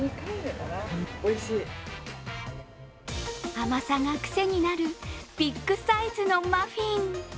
甘さがクセになる、ビッグサイズのマフィン。